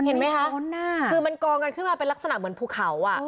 เห็นไหมคะคือมันกองกันขึ้นมาเป็นลักษณะเหมือนภูเขาอ่ะ